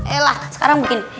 elah sekarang begini